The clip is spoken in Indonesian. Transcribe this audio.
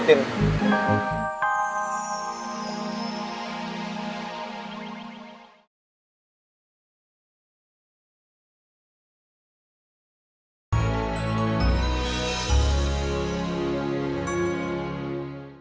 sampai jumpa lagi